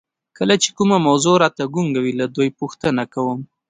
کله چې کومه موضوع راته ګونګه وي له دوی پوښتنه کوم.